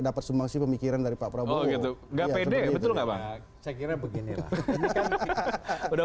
dapat sembangsi pemikiran dari pak prabowo gitu nggak pede betul nggak saya kira beginilah udah